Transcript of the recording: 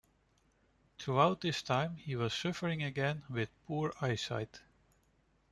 Throughout this time he was suffering again with poor eyesight.